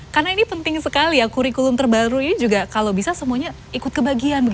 karena ini penting sekali ya kurikulum terbaru ini juga kalau bisa semuanya ikut kebagian